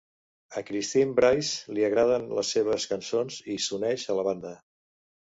A Christine Brice li agraden les seves cançons, i s'uneix a la banda.